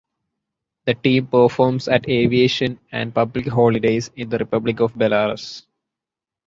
The team performs at aviation and public holidays in the Republic of Belarus.